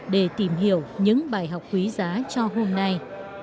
để tìm hiểu những bài học quý giá cho hôm nay